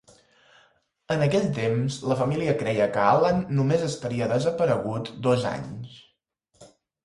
En aquell temps, la família creia que Allan només estaria desaparegut dos anys.